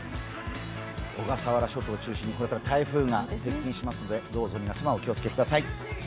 小笠原諸島を中心にこれから台風が接近しますのでどうぞ皆様、お気をつけください。